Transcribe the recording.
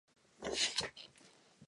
Thunder and lighting are heard again.